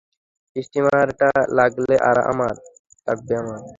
স্টিমারটা লাগবে আমার!